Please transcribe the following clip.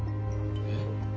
えっ？